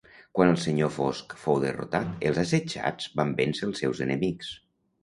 Quan el Senyor Fosc fou derrotat els assetjats van vèncer els seus enemics.